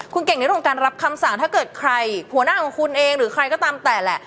คุณเก่งในเรื่องของการรับคำสั่งถ้าเกิดใครหัวหน้าของคุณเองหรือใครก็ตามแต่แหละ